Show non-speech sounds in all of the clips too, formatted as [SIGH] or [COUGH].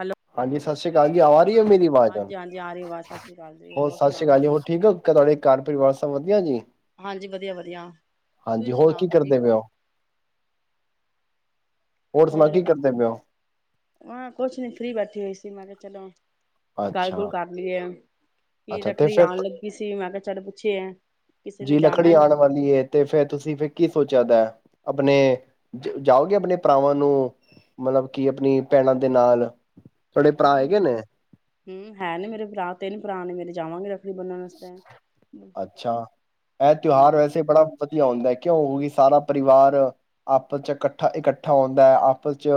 Hello ਹਾਂਜੀ ਸਤਿ ਸ੍ਰੀ ਅਕਾਲ ਜੀ ਆ ਰਹੀ ਹੈ ਹਾਂਜੀ ਮੇਰੀ ਆਵਾਜ਼ ਹਾਂਜੀ ਹਾਂਜੀ ਆ ਰਹੀ ਆਵਾਜ਼ ਸਤਿ ਸ਼੍ਰੀ ਅਕਾਲ ਜੀ ਹੋਰ ਸਤਿ ਸ੍ਰੀ ਸੁਣਾਓ ਅਕਾਲ ਜੀ ਹੋਰ ਠੀਕ ਆ ਤੁਹਾਡੇ ਘਰ ਪਰਿਵਾਰ ਸਭ ਵਧੀਆ ਜੀ? ਹਾਂਜੀ ਵਧੀਆ-ਵਧੀਆ ਹਾਂਜੀ ਤੁਸੀਂ ਹੋਰ ਕੀ ਸੁਣਾਓ ਕਰਦੇ ਠੀਕ ਪਏ ਹੋ? ਹੋਰ ਸੁਣਾਓ ਕੀ ਕਰਦੇ ਪਏ ਓ? ਹਾਂ ਕੁਛ ਨੀ ਫਰੀ ਬੈਠੀ ਹੋਈ ਸੀ ਮੈਂ ਕਿਹਾ ਚਲੋ ਗੱਲ ਅੱਛਾ ਗੁਲ ਕਰ ਲਈਏ ਕਿ -ਅੱਛਾ ਤੇ ਰੱਖੜੀ ਫਿਰ ਆਉਣ ਲੱਗੀ ਸੀ ਮੈਂ ਕਿਹਾ ਚੱਲ ਪੁੱਛੇ ਕਿਸੇ ਨੇ ਜੀ ਜਾਣਾ ਰੱਖੜੀ ਹੈ ਆਉਣ ਵਾਲੀ ਹੈ ਤੇ ਫੇਰ ਤੁਸੀਂ ਫਿਰ ਕੀ ਸੋਚਿਆ ਦਾ? ਆਪਣੇ ਜਾਓਗੇ ਆਪਣੇ ਭਰਾਵਾਂ ਨੂੰ ਮਤਲਬ ਕਿ ਆਪਣੀ ਭੈਣਾਂ ਦੇ ਨਾਲ ਤੁਹਾਡੇ ਭਰਾ ਹਮ ਹੈਗੇ ਨੇ? ਹਮ ਹੈ ਨੇ ਮੇਰੇ ਭਰਾ ਤਿੰਨ ਭਰਾ ਨੇ ਮੇਰੇ ਜਾਵਾਂਗੇ ਬੰਨਣ ਵਾਸਤੇ ਅੱਛਾ ਇਹ ਤਿਉਹਾਰ ਹਾਂਜੀ ਵੈਸੇ ਬੜਾ ਵਧੀਆ ਹੁੰਦਾ। ਕਿਉ ਹੋ ਕਿ ਸਾਰਾ ਪਰਿਵਾਰ ਆਪਸ ਚ ਇਕੱਠਾ- ਇਕੱਠਾ ਹੁੰਂਦਾ ਹੈ ਆਪਸ ਚ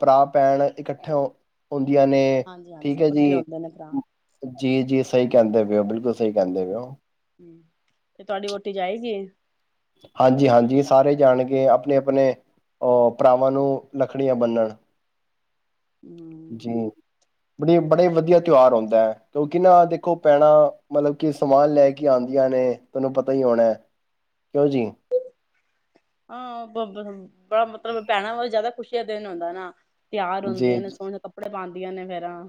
ਭਰਾ ਭੈਣ ਇਕੱਠੇ ਹੋ ਹੁੰਦੀਆਂ ਨੇ ਹਾਂਜੀ ਹਾਂਜੀ ਠੀਕ ਸਭ ਹੈ ਇਕੱਠੇ ਜੀ ਹੁੰਦੇ ਨੇ ਭਰਾ ਜੀ ਜੀ ਸਹੀ ਕਹਿੰਦੇ। ਉਹ ਬਿਲਕੁਲ ਸਹੀ ਕਹਿੰਦੇ ਹੋ। ਹਮ ਤੇ ਤੁਹਾਡੀ ਵਹੁਟੀ ਜਾਏਗੀ? ਹਾਂਜੀ -ਹਾਂਜੀ ਸਾਰੇ ਜਾਣ ਕੇ ਆਪਣੇ ਆਪਣੇ ਅਹ ਭਰਾਵਾਂ ਨੂੰ ਲੱਕੜੀਆਂ ਬੰਨਣ। ਹਮ ਜੇ ਬੜੀ ਬੜੇ ਵਧੀਆ ਤਿਉਹਾਰ ਆਉਂਦਾ ਹੈ ਕਿਉਂਕਿ ਨਾ ਦੇਖੋ ਭੈਣਾਂ ਮਤਲਬ ਕਿ ਸਮਾਨ ਲੈ ਕੇ ਆਉਂਦੀਆਂ ਨੇ ਤੁਹਾਨੂੰ ਪਤਾ ਹੀ ਹੋਣਾ ਹੈ ਕਿਉਂ ਜੀ ਆਹ ਬਬ ਬੜਾ ਮਤਲਬ ਭੈਣਾ ਵ ਜ਼ਿਆਦਾ ਖੁਸ਼ੀ ਦਾ ਦਿਨ ਹੁੰਦਾ ਨਾ ਤਿਆਰ ਜੀ ਹੁੰਦੀਆਂ ਨੇ ਸੋਹਣੇ ਕੱਪੜੇ ਪਾਉਂ ਆਂ ਨੇ ਫੇਰਾਂ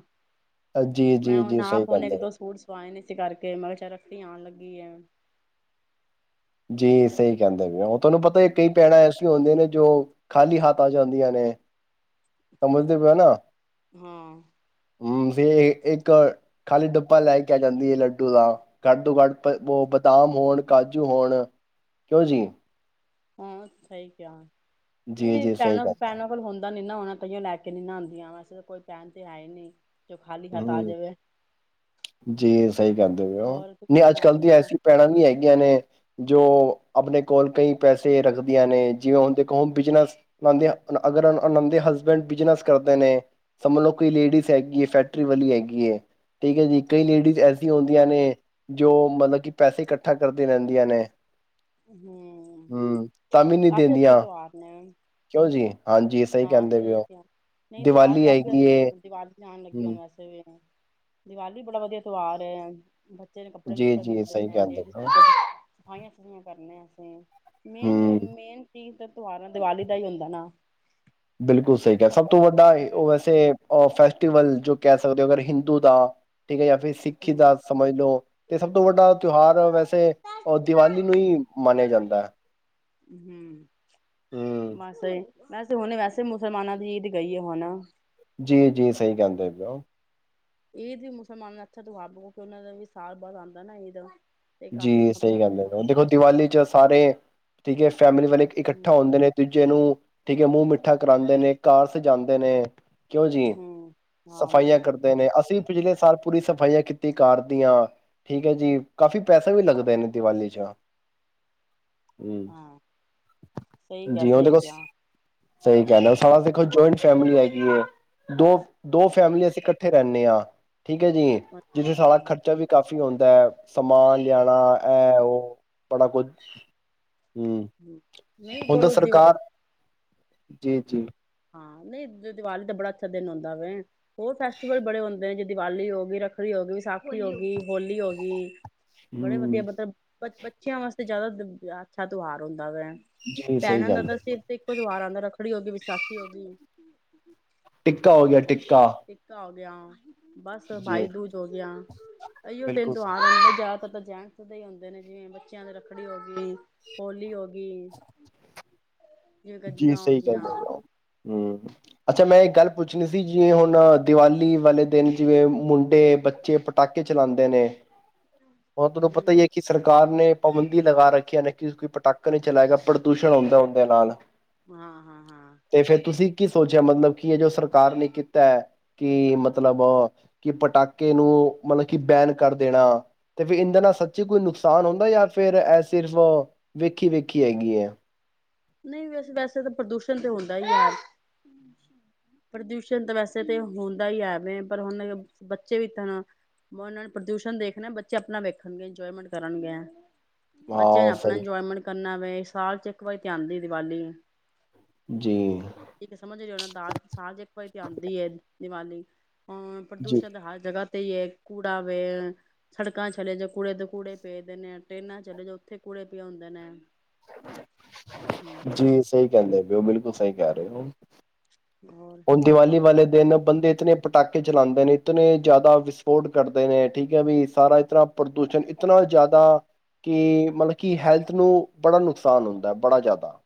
ਜੀ ਜੀ ਮੈਂ ਹੁਣ ਜੀ ਸਹੀ ਆਪ ਉਹਨੇ ਇੱਕ ਕਹਿੰਦੇ ਦੋ ਸੂਟ ਸੁਵਾਏ ਨੇ ਸੀ। ਕਰਕੇ ਮਗਲ ਚ ਰੱਖਤੀ ਆਉਣ ਲੱਗੀ ਹੈ। ਜੀ ਸਹੀ ਕਹਿੰਦੇ ਵੀ ਉਹ ਤੁਹਾਨੂੰ ਪਤਾ ਇਹ ਕਈ ਪੈਣਾ ਹੁੰਦੇ ਨੇ ਜੋ, ਖਾਲੀ ਹਾਥਾਂ ਆਉਦੀਆਂ ਨੇ। ਸਮਝਦੇ ਪਏ ਨਾ? ਹਾਂ। ਹਮ ਇੱਕ ਖਾਲੀ ਡੱਬਾ ਲੈ ਕੇ ਆ ਜਾਂਦੀ ਹੈ ਲੱਡੂ ਦ ਘੱਟ ਤੋਂ ਘੱਟ ਉਹ ਬਦਾਮ ਹੋਣ ਕਾਜੂ। ਹੁਣ ਕਿਉਂ ਜੀ। ਹਾਂ ਸਹੀ ਕਿਹਾ। ਜੀ ਨਹੀਂ ਜੀ ਸਹੀ ਪੈਣਾਂ ਗੱਲ ਹੈ ਪੈਣਾਂ ਕੋਲ ਹੁੰਦਾ। ਦੇਂਦਾ ਨਹੀਂ ਨਾ ਹੋਣਾ ਤਾਹੀਓਂ ਲੈ ਕੇ ਨਹੀਂ ਆਉਂਦੀਆਂ। ਵੈਸੇ ਤਾਂ ਕੋਈ ਪਹਿਣ ਤੇ ਹੈ ਹੀ ਨਹੀਂ। ਜੋ ਖਾਲੀ ਹੱਥ ਆ ਹਮ, ਜਾਵੇ ਜੀ ਸਹੀ ਕਹਿੰਦੇ ਪ ਉਹ। ਹੋਰ ਤੁਸੀਂ ਨਹੀਂ ਅੱਜ ਸੁਣਾਓ ਕੱਲ੍ਹ ਦੀ ਵਧੀਆ। ਐਸੀੀਆਂ ਭੈਣਾਂ ਵੀ ਹੈਗੀਆਂ ਨੇ, ਜੋ ਆਪਣੇ ਕੋਲ ਕਈ ਪੈਸੇ ਰੱਖਦੀਆਂ ਨੇ। ਦੇਖੋ ਜਿਵੇਂ ਅਗਰ ਬਿਜਨਸ ਅਗਰ ਉਹਨਾਂ ਦੇ ਹਸਬੈਂਡ ਬਿਜਨਸ ਕਰਦੇ ਨੇ ਸਮਝ ਲਓ ਕੋਈ ਲੇਡੀਜ਼ ਹੈਗੀ ਹੈ ਫੈ, ਪੈਸੇ ਵਾਲੀ ਹੈਗੀ ਬੇ। ਠੀਕ ਹੈ ਜੀ, ਕਈ ਲੇਡੀਜ਼ ਐਸੀ ਹੁੰਦੀਆਂ ਨੇ ਜੋ ਮਤਲਬ ਕਿ ਪੈਸੇ ਇਕੱਠਾ ਕਰਦੇ ਰਹਿੰਦੀਆਂ ਨੇ। ਹਮ, ਹੂੰ, ਤਾਂ ਵੀ ਨੀ ਕਾਫੀ ਅੱਛੇ ਦਿੰਦੀਆਂ ਪਰਿਵਾਰ ਨੇ। ਕਿਉਂ ਜੀ? ਹਾਂਜੀ ਹਾਂ ਕਹਿੰਦੇ ਪਏ ਸਹੀ ਓ। ਕਿਹਾ, ਨਹੀਂ ਤਿਉਹਾਰ ਦੀਵਾਲੀ ਕਾਫੀ ਹੈਗੀ ਅੱਛੇ ਏ ਨੇ ਦੀਵਲੀ ਆਣ ਲੱਗੀ ਹੁ ਹੂੰ, ਵੈਸੇ ਵੀ। ਦੀਵਾਲੀ ਵੀ ਬੜਾ ਵਧੀਆ ਤਿਉਹਾਰ ਹੈ। ਬੱਚੇ ਨੂੰ ਕੱਪੜੇ ਕੁਪੜੇ ਜੀ-ਜੀ ਮਿਲਦੇ ਸਹੀ ਕਹਿੰਦੇ ਪਏ ਓ। ਸਫਾਈਆਂ ਕਰਨੇ ਆ। ਅਸੀਂ ਮੇਨ ਹੂੰ, ਮੇਨ ਚੀਜ਼। ਤਿਉਹਾਰ ਦੀਵਾਲੀ ਦਾ ਹੀ ਹੁੰਦਾ ਨਾ। ਬਿਲਕੁਲ ਸਹੀ ਕਿਹਾ ਸਭ ਤੋਂ ਵੱਡਾ ਉਹ ਵੈਸੇ ਤਿਉਹਾਰ ਵੀ। ਫਸ ਜੋ ਕਹਿ ਸਕਦੇ ਹੋ ਅਗਰ ਹਿੰਦੂ ਦਾ ਠੀਕ ਹੈ, ਜਾਂ ਫਿਰ ਸਿੱਖੀ ਹਮ ਦਾ ਸਮਝ ਲਓ ਤੇ ਸਭ ਤੋਂ ਵੱਡਾ ਤਿਉਹਾਰ ਵੈਸੇ ਦੀਵਾਲੀ ਨੂੰ ਹੀ ਮੰਨਿਆ ਜਾਂਦਾ। [INAUDIBLE] ਹੂੰ। ਹੂੰ, ਮਸੇ, ਵੈਸੇ ਹੁਣ, ਵੈਸੇ ਮੁਸਲਮਾਨਾਂ ਦੀ ਈਦ ਗਈ ਆ ਹੁਣੇ। ਜੀ ਜੀ ਸਹੀ, ਕਹਿੰਦੇ ਵੀਓ। ਈਦ ਵੀ ਮੁਸਲਮਾਨ ਦਾ ਅੱਛਾ ਤਿਉਹਾਰ ਹੈ ਕਿਉਂਕਿ ਉਹਨਾਂ ਦਾ ਵੀ ਸਾਲ ਬਾਅਦ ਆਉਂਦਾ ਨਾ ਈਦ। ਤੇ ਕਾਫੀ ਜੀ ਅੱਛਾ ਸਹੀ ਮਨਾਉਂਦੇ ਗੱਲ, ਨੇ ਹੈੁਣ ਉਹਨੂੰ ਦੇਖੋ ਦੀਵਾਲੀ ਚ ਸਾਰੇ ਠੀਕ ਹੈ। ਫੈਮਲੀ ਵਾਲੇ ਹਮ ਇਕੱਠਾ ਹੁੰਦੇ ਨੇ ਦੂਜੇ ਨੂੰ, ਠੀਕ ਹੈ ਮੂੰਹ ਮਿੱਠਾ ਕਰਾਉਂਦੇ ਨੇ ਘਰ ਸਜਾਉਂਦੇ ਨੇ। ਕਿਉਂ ਜੀ ਹਮ ਹਾਂ ਬਿਲਕੁਲ ਸਫਾਈਆਂ ਸਹੀ ਕਰਦੇ ਕਿਹਾ ਨੇ ਅਸੀਂ ਪਿਛਲੇ ਸਾਲ ਪੂਰੀ ਸਫਾਈਆਂ ਕੀਤੀ ਸੀ। ਘਰ ਦੀਆਂ, ਠੀਕ ਹੈ ਜੀ ਕਾਫੀ, ਪੈਸਾ ਵੀ ਲੱਗਦਾ ਨੇ ਦੀਵਾਲੀ ਚ। ਹਮ, ਹਾਂ ਸਹੀ ਕਿਹਾ ਜੀਉਦੇ ਸਹੀ ਬਛ। ਕਿਹਾ ਸਹੀ ਕਹਿਣਾ, ਸਾਡਾ ਦੇਖੋ ਜਆਇੰਟ ਫੈਮਿਲੀ ਹੈਗੀ ਹੈ। ਦੋ- ਦੋ ਅੱਛਾ ਫੈਮਿਲੀ ਅਸੀਂ ਇਕੱਠੇ ਰਹਿੰਦੇ। ਆ [UNINTELLIGIBLE] ਠੀਕ ਹੈ ਜੀ ਅੱਛਾ ਜਿੱਥੇ ਹਾਂ ਸਡਾ ਖਰਚਾ ਵੀ ਕਾਫੀ ਆਉਂਦਾ। ਦਾ ਸਮਾਨ ਲਿਆਣਾ ਹੈ। ਇਹ, ਉਹ ਬੜਾ ਕੁਝ ਹੂੰ ਹਾਂ ਨਹੀਂ ਹੁਣ ਤਾ ਬਹੁਤ ਦਿਵਾ ਸਰਕਾਰ ਜੀ, ਜੀ ਹਾਂ। ਨਹੀਂ ਦੀਵਾਲੀ ਤੇ ਬੜਾ ਅੱਛਾ ਦਿਨ ਆਉਂਦਾ ਵ ਉਹ ਫੈਸਟੀਵਲ ਬੜੇ ਹੁੰਦੇ ਨੇ ਜ ਦੀਵਾਲੀ ਹੋ ਗਈ, ਰੱਖੜੀ ਹੋ ਗਈ, ਵਿਸਾਖੀ ਹੋ ਗਈ, ਹੋਲੀ ਹੋ ਗਈ, ਬੜੇ ਵਧੀਆ ਮਤਲਬ ਬੱਚਿਆਂ ਵਾਸਤੇ ਜ਼ਿਆਦਾ ਅੱਛਾ ਤਿਉਹਾਰ ਹੁੰਦਾ ਜੀ ਸਹੀ ਭੈਣਾ ਦਾ ਗੱਲ ਹੈ ਤਾਂ ਸਿਰ ਤੇ ਇੱਕੋ ਤਿਉਹਾਰ ਆਉਂਦਾ ਰੱਖੜੀ, ਹੋਗੀ ਕੇ ਵਿਸਾਖੀ [INAUDIBLE] ਟਿੱਕਾ ਹੋ ਗਿਆ ਟਿੱਕਾ ਵਿਆਹ ਬਸ ਜੀ ਬਾਈ ਦੂਜ ਹੋ ਗਿਆ ਇਹੀਓ ਤਿੰਨ ਬਿਲਕੁਲ ਸਹੀ ਤਿਉਹਾਰ ਆਦਾ ਜ਼ਿਆਦਾ ਜੈਂਟਸ ਦੇ ਹੀ ਹੁੰਦੇ ਨੇ, ਜਿਵੇਂ ਬੱਚਿਆਂ ਦੀ ਰੱਖੜੀ ਹੋ ਗਈ, ਹੋਲੀ ਹੋ ਗਈ ਹੂੰ [UNINTELLIGIBLE] ਜਿਵੇਂ ਕੱਜਕਾਂ ਆਉਂਦੀਆਂ ਹੂੰ, ਅੱਛਾ ਮੈਂ ਇੱਕ ਗੱਲ ਪੁੱਛਣੀ ਸੀ ਜਿਵੇਂ ਹੁਣ ਦੀਵਾਲੀ ਵਾਲੇ ਦਿਨ ਜਿਵੇਂ ਮੁੰਡੇ ਬੱਚੇ ਪਟਾਕੇ ਚਲਾਉਂਦੇ ਨੇ ਹੁਣ ਤੁਹਾਨੂੰ ਪਤਾ ਹਮ ਹੀ ਹੈ ਕਿ ਸਰਕਾਰ ਨੇ ਪਾਬੰਦੀ ਲਗਾ ਰੱਖੀਆਂ ਨੇ ਕਿ ਕੋਈ ਪਟਾਕਾ ਨਹੀਂ ਚਲਾਏਗਾ ਪ੍ਰਦੂਸ਼ਣ ਹੁੰਦਾ ਉਹਦੇ ਨਾਲ ਹਾਂ, ਹਾਂ, ਹਾਂ ਤੇ ਫੇਰ ਤੁਸੀਂ ਕੀ ਸੋਚਿਆ ਮਤਲਬ ਕੀ ਹੈ, ਜੋ ਸਰਕਾਰ ਨੇ ਕੀਤਾ ਕਿ ਮਤਲਬ ਕਿ ਪਟਾਕੇ ਨੂੰ ਮਤਲਬ ਕਿ ਬੈਨ ਕਰ ਦੇਣਾ ਤੇ ਫੇਰ ਇਹਦੇ ਨਾਲ ਸੱਚੀ ਕੋਈ ਨੁਕਸਾਨ ਹੁੰਦਾ ਜਾਂ ਫਿਰ ਇਹ ਸਿਰਫ ਵੇਖੀ, ਵੇਖੀ ਹੈਗੀ ਏ। ਨਹੀਂ ਵੈਸੇ ਵੈਸੇ ਤਾਂ ਪ੍ਰਦੂਸ਼ਣ ਤਾਂ ਹੁੰਦਾ ਹੀ ਹੈ, ਪ੍ਰਦੂਸ਼ਣ ਤਾਂ ਵੈਸੇ ਤਾਂ ਹੁੰਦਾ ਹੀ ਹੈਵੇ ਪਰ ਹੁਣ ਬੱਚੇ ਵੀ ਤਾਂ ਉਹਨਾਂ ਨੂੰ ਪ੍ਰਦੂਸ਼ਣ ਦੇਖਣੇ ਬੱਚੇ ਆਪਣਾ ਵੇਖਣਗੇ ਇੰਜੋਏਮੈਂਟ ਕਰਨਗੇ। ਬੱਚਿਆਂ ਨੇ ਹਾਂ ਆਪਣਾ ਸਹੀ ਇੰਜੋਏਮੈਂਟ ਕਰਨਾ ਵਵ ਸਾਲ ਚ ਇਕ ਵਾਰੀ ਤੇ ਆਦੀ ਦੀਵਾਲੀ ਜੀ ਠੀਕ ਸਮਝ ਰਹੇ ਹੋ ਨਾ ਸਾਲ ਚ ਇੱਕ ਵਾਰੀ ਤੇ ਆਦੀ ਏ ਦੀਵਾਲੀ ਅ ਜੀ ਪ੍ਰਦੂਸ਼ਣ ਤਾਂ ਹਰ ਜਗ੍ਹਾ ਤੇ ਕੂੜਾ ਵੇ ਸੜਕਾਂ ਚਲੇ ਜਾ ਕੂੜੇ ਦੇ ਕੂੜੇ ਪਏ ਦੇ ਨੇ ਆ ਟ੍ਰੇਨਾਂ ਚਲੇ ਜਾ ਉੱਥੇ ਕੂੜੇ ਪਏ ਹੁੰਦੇ ਨੇ ਹੂੰ ਜੀ ਸਹੀ ਕਹਿੰਦੇ ਵੀ ਉਹ ਬਿਲਕੁਲ ਸਹੀ ਕਹਿ ਰਹੇ ਹੋ ਹੋਰ ਹੁਣ ਦੀਵਾਲੀ ਵਾਲੇ ਦਿਨ ਬੰਦੇ ਇਤਨੇ ਪਟਾਕੇ ਚਲਾਂਦੇ ਨੇ ਇਤਨੇ ਜ਼ਿਆਦਾ ਵਿਸਫੋਟ ਕਰਦੇ ਨੇ ਠੀਕ ਹੈ ਵੀ ਸਾਰਾ ਇਸ ਤਰ੍ਹਾਂ ਪ੍ਰਦੂਸ਼ਣ ਇਤਨਾ ਜ਼ਿਆਦਾ ਕਿ ਮਤਲਬ ਕਿ ਹੈਲਥ ਨੂੰ ਬੜਾ ਨੁਕਸਾਨ ਹੁੰਦਾ ਬੜਾ ਜ਼ਿਆਦਾ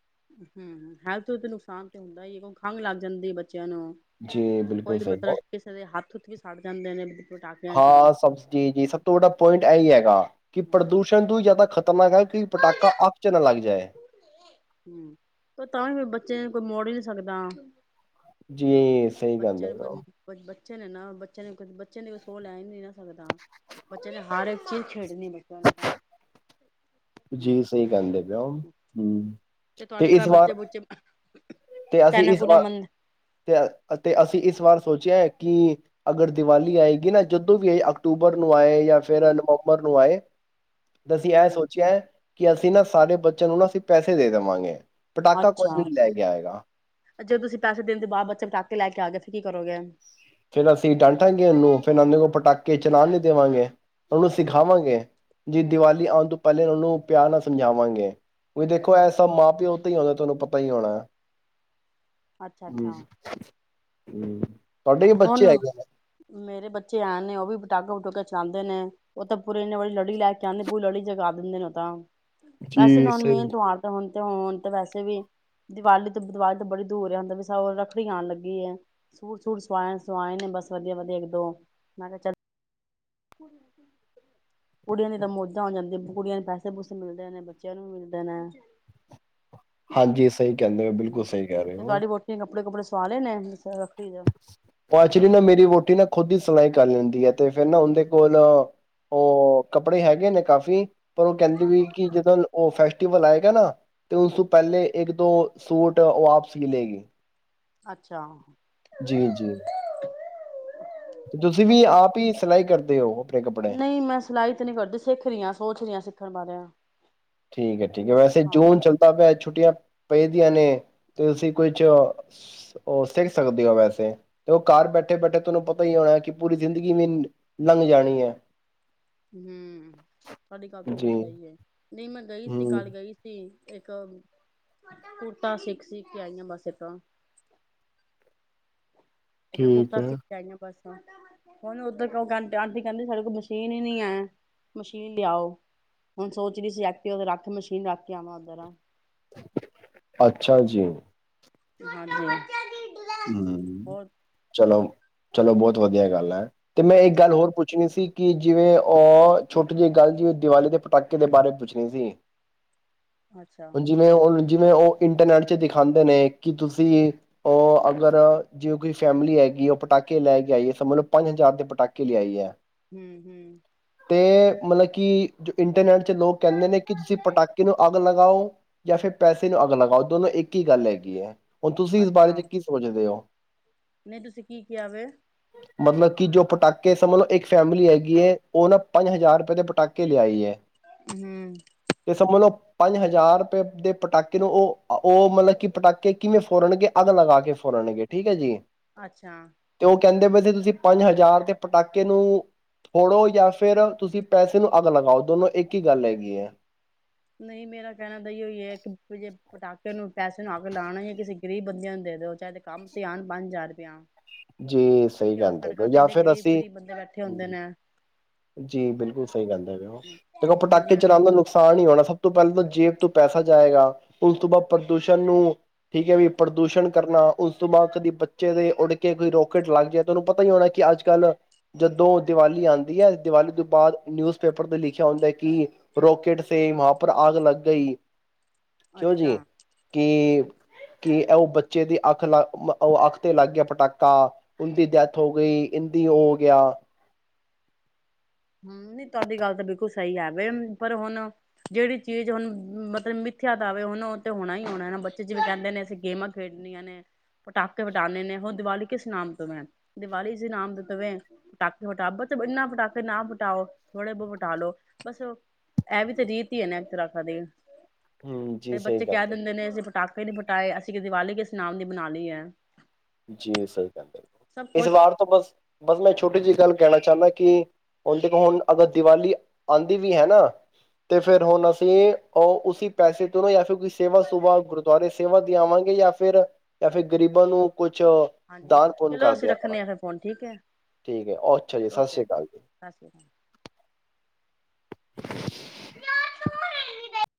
ਹੂੰ, ਹੈਲਥ-ਹੂਲਥ ਨੂੰ ਨੁਕਸਾਨ ਤਾ ਹੁੰਦਾ ਹੀ ਏ, ਹੁਣ ਖੰਗ ਲੱਗ ਜਾਂਦੀ ਬੱਚੇ ਨੂੰ ਬਚਿਆ ਨੂੰ ਜੀ ਬਿਲਕੁਲ ਕੋਈ ਨੀ ਸਹੀ ਮਤਲਬ ਕਿਸੇ ਦੇ ਹੱਥ ਵੀ ਸੜ ਜਾਂਦੇ ਨੇ ਪਟਾਕਿਆਂ ਚ ਹਾਂ ਸਭ ਜੀ ਜੀ ਸਭ ਤੋਂ ਵੱਡਾ ਪੁਆਇੰਟ ਐ ਹੀ ਏ ਹਾਂ ਕਿ ਪ੍ਰਦੂਸ਼ਣ ਤੋਂ ਜ਼ਿਆਦਾ ਖਤਰਾ ਤਾਂ ਮੈਂ ਕਿਹਾ ਕਿ ਪਟਾਕਾ ਅੱਖ ਚ ਨਾ ਲੱਗ ਜਾਏ ਤਾਂ ਹੂੰ ਤਾਂ ਵੀ ਕੋ ਬੱਚੇ ਨੂੰ ਕੋਈ ਮੋੜ ਹੀ ਨਹੀਂ ਸਕਦਾ ਜੀ ਸਹੀ ਗੱਲ ਏ ਬੱਚਿਆਂ ਨੇ ਨਾ ਬੱਚਿਆਂ ਨੂੰ ਬੱਚਿਆਂ ਨੂੰ ਕੋਈ ਸੋਹ ਲੈ ਨੀ ਨਾ ਸਕਦਾ ਬੱਚਿਆਂ ਨੇ ਹਰ ਇੱਕ ਚੀਜ਼ ਖੇਡਣੀ ਬੱਚਿਆਂ ਨੇ ਤਾਂ ਹੂੰ ਜੀ ਸਹੀ ਕਹਿੰਦੇ ਪਏ ਹੋ ਹੂੰ ਤੇ ਤੁਹਾਡੇ ਇਸ ਘਰ ਵਾਰ ਬੱਚੇ ਬੁੱਚੇ ਤੇ ਅਸੀਂ ਟੈਨਾ ਇਸ ਟੂਨਾ ਵਾਰ ਮੰਨ ਤੇ ਤੇ ਅਸੀਂ ਇਸ ਵਾਰ ਸੋਚਿਆ ਏ ਕਿ ਅਗਰ ਦੀਵਾਲੀ ਆਏਗੀ ਨਾ ਜਦੋਂ ਵੀ ਆਏ ਅਕਤੂਬਰ ਨੂੰ ਆਏ ਜਾਂ ਫਿਰ ਹੂੰ ਨਵੰਬਰ ਨੂੰ ਆਏ ਅਸੀਂ ਇਹ ਹੂੰ ਸੋਚਿਐ ਕਿ ਅਸੀਂ ਨਾ ਸਾਰੇ ਬੱਚਿਆਂ ਨੂੰ ਨਾ ਅਸੀਂ ਪੈਸੇ ਦੇ ਦੇਵਾਂਗੇ। ਪਟਾਕਾ ਕੁਝ ਵੀ ਅੱਛਾ ਨੀ ਲੈ ਗਿਆ ਹੈਗਾ। ਜੇ ਤੁਸੀਂ ਪੈਸੇ ਦੇਣ ਦੇ ਬਾਅਦ ਬੱਚਾ ਪਟਾਕੇ ਲੈ ਕੇ ਆ ਗਿਆ ਫਿਰ ਕੀ ਕਰੋਗੇ। ਫਿਰ ਅਸੀਂ ਡਾਂਟਾਂਗੇ ਉਹਨੂੰ ਫਿਰ ਉਹਦੇ ਕੋਲ ਪਟਾਕੇ ਚਲਾਣ ਨੀ ਦੇਵਾਂਗੇ ਉਹਨੂੰ ਸਿਖਾਵਾਂਗੇ ਜੀ ਦੀਵਾਲੀ ਆਉਣ ਤੋਂ ਪਹਿਲੇ ਉਹਨਾਂ ਨੂੰ ਪਿਆਰ ਨਾਲ ਸਮਝਾਵਾਂਗੇ। ਵੀ ਦੇਖੋ ਐ ਸਭ ਅੱਛਾ ਮਾਂ ਪਿਓ ਤੋਂ ਹੀ ਆਉਂਦਾ ਤੁਹਾਨੂੰ ਪਤਾ। ਪਈ ਹੋਣਾ। [INAUDIBLE] ਅੱਛਾ ਅੱਛਾ ਵੀ ਬੱਚੇ ਹੁਣ ਹੈਗੇ ਨੇ ਮੇਰੇ ਬੱਚੇ ਐਨ ਨੇ ਉਹ ਵੀ ਬਟਾਕਾ ਬਟੂਕਾ ਚ ਜਾਂਦੇ ਨੇ ਉਹ ਤਾਂ ਪੂਰੀ ਇੰਨੀ ਬੜੀ ਲੜੀ ਲੈ ਕੇ ਆਂਦੇ ਪੂਰੀ ਲੜੀ ਜਗਾ ਦਿੰਦੇ ਨੇ ਉਹ ਤਾਂ। ਮੈਸਜ ਜੀ ਸਹੀ ਮੀਂ ਨੌਟ ਆਰ ਦਾ ਵੰਨ। ਤੇ ਹੁਣ ਤੇ ਵੈਸੇ ਵੀ ਦੀਵਾਲੀ ਤੋਂ ਦੀਵਾਲੀ ਤੋਂ ਬੜੀ ਦੂਰ ਰਿਹਾ ਹੁੰਦਾ ਵੀ ਸ ਰੱਖੜੀ ਆਉਣ ਲੱਗੀ ਹੈ ਸੂਟ ਸੂਟ ਸਵਾਏ- ਸਵਾਏ ਨੇ ਬਸ ਵਧੀਆ- ਵਧੀਆ ਇੱਕ ਦੋ ਮੈਂ ਕਿਹਾ ਚੱਲ [UNINTELLIGIBLE] ਕੁੜੀਆਂ ਦੀਆਂ ਤਾਂ ਮੌਜਾਂ ਹੋ ਜਾਂਦੀਆਂ ਨੇ ਕੁੜੀਆਂ ਦੇ ਪੈਸੇ ਪੂਸੇ ਮਿਲਦੇ ਨੇ ਬੱਚਿਆਂ ਨੂੰ ਮਿਲਦੇ ਨੇ। ਹਾਂਜੀ ਸਹੀ ਕਹਿੰਦੇ ਹੋ ਬਿਲਕੁਲ ਸਹੀ ਕਹਿ ਰਹੇ ਹੋ। ਕਪੜੇ-ਕੁਪੜੇ ਸੁਆਲੇ ਨੇ ਫਿਰ। ਉਹ ਐਕਚੁਲੀ ਨਾ ਮੇਰੀ ਵਹੁਟੀ ਨਾ ਖੁਦ ਦੀ ਸਿਲਾਈ ਕਰ ਲੈਂਦੀ ਹੈ ਤੇ ਫਿਰ ਨਾ ਉਹਦੇ ਕੋਲ ਉਹ ਕੱਪੜੇ ਹੈਗੇ ਨੇ ਕਾਫੀ। ਪਰ ਉਹ ਕਹਿੰਦੀ ਵੀ ਕਿ ਜਦੋਂ ਉਹ ਫੈਸ ਤੇ ਉਹ ਬੁਲਾਏਗਾ ਨਾ ਤੇ ਉਸ ਤੋਂ ਪਹਿਲੇ ਇੱਕ ਦੋ ਸੂਟ ਉਹ ਆਪ ਸੀਅ ਲਏਗੀ। ਅੱਛਾ। ਜੀ-ਜੀ। ਵਧੀਆ, ਹੀ ਸਿਲਾਈ ਕਰਦੇ ਹੋ ਆਪਣੇ ਕੱਪੜੇ ਨਹੀਂ ਮੈਂ ਸਿਲਾਈ ਤੇ ਨਹੀਂ ਕਰਦੀ ਸਿੱਖ ਰਹੀ ਆਂ ਸੋਚ ਰਹੀ ਸਿੱਖਣ ਬਾਰੇ। ਠੀਕ ਹੈ ਕਿ ਠੀਕ ਹੈ ਮੈਂ ਵੈਸੇ ਸਿੱਖਾਂ। ਜੂਨ ਚਲਤਾ ਪਿਆ ਛੁੱਟੀਆਂ ਪਈਦੀਆਂ ਨੇ। ਤੁਸੀਂ ਕੁਛ ਉਹ ਸਿੱਖ ਸਕਦੇ ਹੋ ਵੈਸੇ ਤੇ ਉਹ ਘਰ ਬੈਠੇ-ਬੈਠੇ ਤੁਹਾਨੂੰ ਪਤਾ ਹੀ ਹੋਣਾ ਕਿ ਪੂਰੀ ਜ਼ਿੰਦਗੀ ਵੀ ਲੰਘ ਜਾਣੀ ਹੈ। ਹੂੰ ਤੁਹਾਡੀ ਗੱਲ ਬਿਲਕੁਲ ਜੀ ਸਹੀ ਹੈ। ਨਹੀਂ, ਮੈਂ ਗਈ ਸੀ ਹਮ ਕੱਲ੍ਹ ਗਈ ਸੀ। ਇੱਕ ਕੁੜਤਾ ਸਿੱਖ ਸੀਅ ਕੇ ਆਈਆਂ ਬਸ। ਇੱਕ ਠੀਕ ਕੁੜਤਾ ਹੈ ਸੀਅ ਕੇ ਆਈਆਂ ਬਸ। ਹੁਣ ਉਧਰ ਆਂਟੀ ਕਹਿੰਦੀ ਸਾਡੇ ਕੋਲ ਮਸ਼ੀਨ ਹੀ ਨੀ ਹੈ, ਮਸ਼ੀਨ ਲਿਆਓ ਹੁਣ ਸੋਚ ਰਹੀ ਸੀ, ਐਕਟਿਵਾ ਤੇ ਰੱਖ ਕੇ ਮਸ਼ੀਨ ਰੱਖ ਕੇ ਆਵਾਂ ਉੱਧਰ। ਅੱਛਾ ਜੀ। ਹਾਂਜੀ। [INAUDIBLE] ਹੂੰ, ਹੋਰ ਚਲੋ। ਚਲੋ ਬਹੁਤ ਵਧੀਆ ਗੱਲ ਐ। ਤੇ ਮੈਂ ਇੱਕ ਗੱਲ ਹੂੰ ਹੋਰ ਪੁੱਛਣੀ ਸੀ। ਕਿ ਜਿਵੇਂ ਉਹ ਛੋਟੀ ਜਿਹੀ ਗੱਲ ਜਿਵੇ ਦੀਵਾਲੀ ਦੇ ਪਟਾਕੇ ਦੇ ਬਾਰੇ ਪੁੱਛਣੀ ਸੀ। ਅੱਛਾ [UNINTELLIGIBLE] ਜਿਵੇਂ ਉਹ ਇੰਟਰਨੈਟ ਚ ਦਿਖਾਂਦੇ ਨੇ ਕਿ ਤੁਸੀਂ ਉਹ ਅਗਰ ਜਿਵੇਂ ਕੋਈ ਫੈਮਿਲੀ ਹੈਗੀ ਉਹ ਪਟਾਕੇ ਲੈ ਕੇ ਆਈ ਏ ਸਮਝ ਲਓ ਪੰਜ ਹਜ਼ਾਰ ਦੇ ਪਟਾਕੇ ਲਿਆਈ ਐ। ਹੂੰ-ਹੂੰ। ਤੇ ਮਤਲਬ ਕਿ ਜੋ ਇੰਟਰਨੈਟ ਚ ਲੋਕ ਕਹਿੰਦੇ ਨੇ ਕਿ ਤੁਸੀਂ ਪਟਾਕੇ ਨੂੰ ਅੱਗ ਲਗਾਓ ਜਾਂ ਫਿਰ ਪੈਸੇ ਨੂੰ ਅੱਗ ਲਗਾਓ ਦੋਨੋ ਇੱਕ ਹੀ ਗੱਲ ਹੈਗੀ ਹੈ। ਹੁਣ ਤੁਸੀਂ ਇਸ ਬਾਰੇ ਅੱਛਾ ਚ ਕੀ ਦੇ ਓ ਨਹੀਂ ਤੁਸੀਂ ਕੀ ਕਿਹਾ ਵੇ? ਮਤਲਬ ਕਿ ਜੋ ਪਟਾਕੇ ਸਮਝ ਲੋ ਇੱਕ ਫੈਮਿਲੀ ਹੈਗੀ ਏ ਉਹ ਨਾਂ ਪੰਜ ਹਜ਼ਾਰ ਰੁਪਏ ਦੇ ਪਟਾਕੇ ਲਿਆਈ ਏ। ਹੂੰ ਤੇ ਸਮਝ ਲਓ ਪੰਜ ਹਜ਼ਾਰ ਰੁਪਏ ਦੇ ਪਟਾਕੇ ਨੂੰ ਉਹ, ਉਹ ਮਤਲਬ ਕਿ ਪਟਾਕੇ ਕਿਵੇਂ ਫੋੜਨਗੇ ਅੱਗ ਲਗਾ ਕੇ ਫੋੜਨਗੇ ਠੀਕ ਹੈ ਜੀ। ਅੱਛਾ। ਤੇ ਉਹ ਕਹਿੰਦੇ ਵੈਸੇ ਤੁਸੀਂ ਪੰਜ ਹਜ਼ਾਰ ਤੇ ਪਟਾਕੇ ਨੂੰ ਫੋੜੋ ਜਾਂ ਫਿਰ ਤੁਸੀਂ ਪੈਸੇ ਨੂੰ ਅੱਗ ਲਗਾਓ, ਦੋਨੋਂ ਇੱਕ ਹੀ ਗੱਲ ਹੈਗੀ ਐ। ਨਹੀਂ ਮੇਰਾ ਕਹਿਣਾ ਬਈ ਆਇਓ ਹੈ ਕਿ ਜੇ ਪਟਾਕੇ ਨੂੰ ਪੈਸੇ ਨੂੰ ਅੱਗ ਲਾਣਾ ਹੀ ਐ ਕਿਸੇ ਗ਼ਰੀਬ ਬੰਦਿਆਂ ਨੂੰ ਦੇ ਦਿਓ, ਚਾਹੇ ਤੇ ਕੰਮ ਤੇ ਆਣ ਪੰਜ ਹਜ਼ਾਰ ਰੁਪਏ ਆਨ। ਜੀ ਸਹੀ ਕਹਿੰਦੇ ਪਏ ਜਾਂ ਫਿਰ ਗਰੀਬ ਅਸੀਂ ਗਰੀਬ ਬੰਦੇ ਬੈਠੇ ਹੁੰਦੇ ਨੇ ਜੀ ਬਿਲਕੁਲ ਸਹੀ ਕਹਿੰਦੇ ਪਏ ਓ, ਉਹ ਜਦੋ ਹੁਣ ਪਟਾਕੇ ਜਿਵੇਂ ਚਲਾਂਦੇ ਨੁਕਸਾਨ ਤਾਂ ਨਾਂ ਹੋਣਾ, ਸਭ ਤੋਂ ਪਹਿਲਾਂ ਤਾਂ ਜੇਬ ਤੋਂ ਪੈਸਾ ਜਾਏਗਾ, ਉਸ ਤੋਂ ਬਾਅਦ ਪ੍ਰਦੂਸ਼ਣ ਨੂੰ ਠੀਕ ਹੈ, ਵੀ ਪ੍ਰਦੂਸ਼ਣ ਕਰਨਾ ਉਸ ਤੋਂ ਬਾਅਦ ਕਦੀ ਬੱਚੇ ਦੇ ਉੱਡ ਕੇ ਕੋਈ ਰੋਕੇਟ ਲੱਗ ਜਾਏ ਤਾਂ ਉਹਨੂੰ ਪਤਾ ਹੀ ਹੋਣਾ ਕਿ ਅੱਜ ਕੱਲ੍ਹ ਜਦੋਂ ਦੀਵਾਲੀ ਆਂਦੀ ਹੈ। ਦੀਵਾਲੀ ਤੋਂ ਬਾਅਦ ਨਿਊਜ਼ ਪੇਪਰ ਤੇ ਲਿਖਿਆ ਹੁੰਦਾ ਐ ਕਿ ਰੋਕੇਟ ਸੇ ਵਹਾਂ ਪਰ ਆਗ ਲੱਗ ਗਈ। ਕਿਉਂ ਜੀ ਅੱਛਾ ਕੀ ਕਿ ਉਹ ਬੱਚੇ ਦੀ ਅੱਖ ਲੱਗ, ਉਹ ਅੱਖ ਤੇ ਲੱਗ ਗਿਆ ਪਟਾਕਾ, ਉਹਦੀ ਡੈਥ ਹੋ ਗਈ, ਇੰਦੀ ਉਹ ਹੋ ਗਿਆ। ਹੂੰ, ਨਹੀਂ ਤੁਹਾਡੀ ਗੱਲ ਤਾਂ ਬਿਲਕੁਲ ਸਹੀ ਹੈ ਵੇ ਪਰ ਹੁਣ ਜਿਹੜੀ ਚੀਜ਼ ਹੁਣ, ਮਤਲਬ ਮਿਥਿਆ ਦਾ ਵੇ ਹੁਣ, ਉਹ ਤੇ ਹੋਣਾ ਹੀ ਹੋਣਾ, ਬੱਚੇ ਜਿਵੇਂ ਤੇ ਉਹ ਕਹਿੰਦੇ ਨੇ ਅਸੀਂ ਗੇਮਾਂ ਖੇਡਣੀਆਂ ਨੇ ਪਟਾਕੇ ਉਡਾਣੇ ਨੇ, ਹੁਣ ਦੀਵਾਲੀ ਕਿਸ ਨਾਮ ਤੋਂ ਵੇ, ਦੀਵਾਲੀ ਇਸ ਨਾਮ ਦੇ ਤਵੇਂ, ਪਟਾਕੇ ਫਟਾ ਬੱਚੇ ਇੰਨਾ ਪਟਾਕੇ ਫਿਰ ਨਾ ਫਟਾਓ, ਥੋੜੇ ਬਹੁਤ ਫਟਾ ਲੋੋ, ਬਸ ਇਹ ਵੀ ਤਾਂ ਰੀਤ ਹੀ ਹੈ ਨਾ ਇੱਕ ਤਰ੍ਹਾਂ ਦੀ। ਹਮ ਜੀ ਤੇ ਸਹੀ ਬੱਚੇ ਕਹਿ ਕਹਿੰਦੇ ਦਿੰਦੇ ਨੇ, ਅਸੀ ਪਟਾਕ ਪਟਾਕੇ ਹੀ ਨੀ ਫਟਾਏ, ਅਸੀਂ ਕੀ ਦੀਵਾਲੀ ਕਿਸ ਨਾਮ ਦੀ ਮਨਾਨੀ ਹੈ। ਜੀ ਸਹੀ ਗੱਲ ਹੈ, ਸਭ ਇਸ ਕੁਛ ਵਾਰ ਤੋਂ ਬਸ, ਬਸ ਮੈਂ ਛੋਟੀ ਜਿਹੀ ਗੱਲ ਕਹਿਣਾ ਚਾਹੁੰਦਾ ਕਿ ਹੁਣ ਦੇਖੋ, ਹੁਣ ਅਗਰ ਦੀਵਾਲੀ ਆਂਦੀ ਵੀ ਹੈ ਨਾ, ਤੇ ਫੇਰ ਹੁਣ ਅਸੀਂ ਉਹ ਉਸੀ ਪੈਸੇ ਤੋਂ ਜਾਂ ਫਿਰ ਕੋਈ ਸੇਵਾ ਸੂਵਾ ਗੁਰਦੁਆਰੇ ਸੇਵਾ ਦੇ ਆਵਾਂਗੇ, ਜਾਂ ਫਿਰ ਜਾਂ ਫਿਰ ਗ਼ਰੀਬਾਂ ਨੂੰ ਕੁਛ ਹਾਂਜੀ ਦਾਨ ਪੁੰਨ ਚਲੋ ਅਸੀਂ ਕਰਦਿਆ ਰੱਖਣੇ ਆ ਕਰਾਂਗੇ ਫਿਰ ਫੋਨ ਠੀਕ ਹੈ ਠੀਕ ਹੈ, ਅੱਛਾ ਜੀ ਸਤਿ ਓਕੇ ਸ੍ਰੀ ਅਕਾਲ ਜੀ। ਸਤਿ ਸ਼੍ਰੀ [UNINTELLIGIBLE]